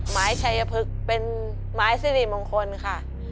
ไม้ชัยพฤกษ์เป็นไม้สิริมงคลค่ะ